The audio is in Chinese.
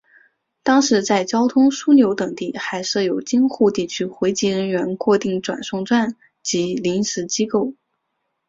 当时在交通枢纽等地还设有京沪地区回籍人员过境转送站等临时机构。